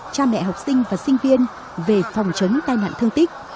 cha mẹ học sinh và sinh viên về phòng chống tai nạn thương tích